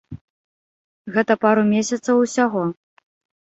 Гэта пару месцаў усяго.